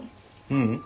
ううん。